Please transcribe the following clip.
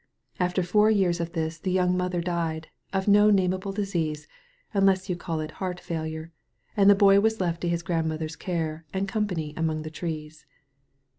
After four years of this the young mother died, of no namable disease, unless you call it heart failure, and the boy was left to his grandmother's care and company among the trees.